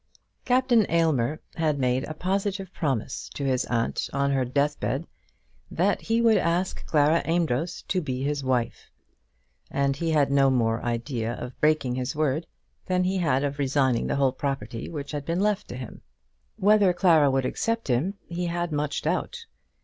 Captain Aylmer had made a positive promise to his aunt on her deathbed that he would ask Clara Amedroz to be his wife, and he had no more idea of breaking his word than he had of resigning the whole property which had been left to him. Whether Clara would accept him he had much doubt.